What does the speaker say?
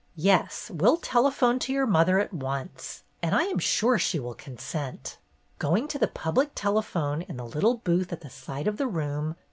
Yes, we 'll tele phone to your mother at once, and I am sure she will consent." Going to the public telephone in the little booth at the side of the room. Dr.